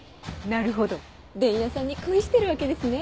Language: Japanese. なるほど伝弥さんに恋してるわけですね？